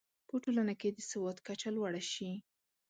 په ټولنه کې د سواد کچه لوړه شي.